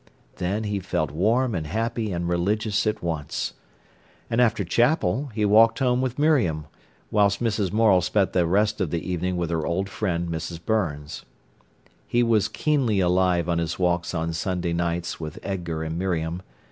Then he felt warm and happy and religious at once. And after chapel he walked home with Miriam, whilst Mrs. Morel spent the rest of the evening with her old friend, Mrs. Burns. He was keenly alive on his walks on Sunday nights with Edgar and Miriam.